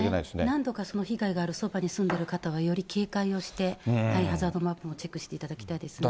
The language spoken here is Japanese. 何度かその被害があるそばに住んでいる方は、より警戒をして、ハザードマップもチェックしていただきたいですね。